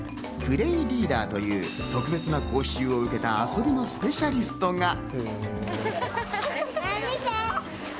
プレイリーダーという特別な講習を受けた遊びのスペシャリストが。